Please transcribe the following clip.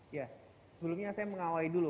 ya sebelumnya saya mengawai dulu